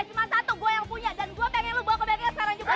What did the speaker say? cuma satu gue yang punya dan gue pengen lo bawa ke bengkel sekarang juga